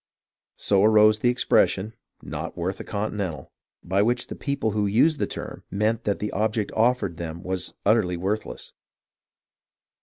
So arose the expression " not worth a continental," by which the people who used the term meant that the object offered them was utterly worthless.